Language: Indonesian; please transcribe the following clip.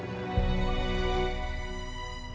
sementara kamu akan mendapatkan pahala